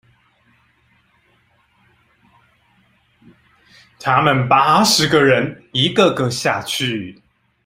他們八十個人一個個下去